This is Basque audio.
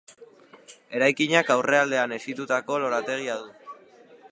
Eraikinak aurrealdean hesitutako lorategia du.